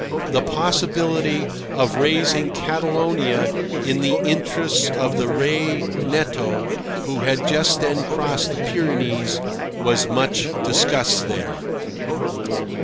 The possibility of raising Catalonia in the interest of the Rey netto, who had just then crossed the Pyrenees, was much discussed there.